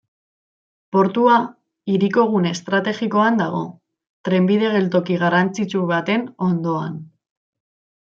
Portua, hiriko gune estrategikoan dago, trenbide geltoki garrantzitsu baten ondoan.